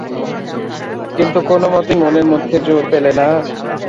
কিন্তু কোনোমতেই মনের মধ্যে জোর পেলে না।